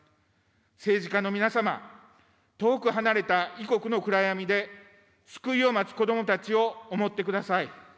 政治家の皆様、遠く離れた異国の暗闇で救いを待つ子どもたちを思ってください。